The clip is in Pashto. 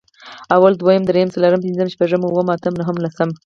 اول، دويم، درېيم، څلورم، پنځم، شپږم، اووم، اتم، نهم، لسم